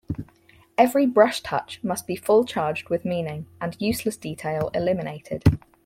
Every brush-touch must be full-charged with meaning, and useless detail eliminated.